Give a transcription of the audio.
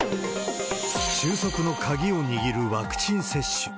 収束の鍵を握るワクチン接種。